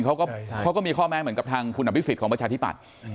เขาก็มีข้อแม้เหมือนกับทางคุณอภิษฎของประชาธิปัตย์